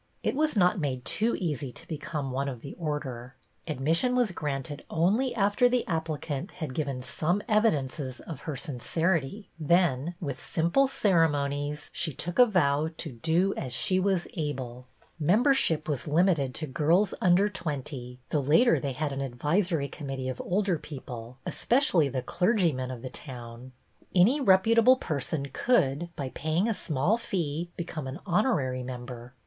It was not made too easy to become one of the Order. Admission was granted only after the applicant had given some evidences of her sincerity ; then, with simple ceremo nies, she took a vow to do " as she was 2o8 BETTY BAIRD able." Membership was limited to girls under twenty, though later they had an Advisory Committee of older people, espe cially the clergymen of the town. Any reputable person could, by paying a small fee, become an honorary member.